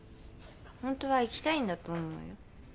ホントは行きたいんだと思うよ。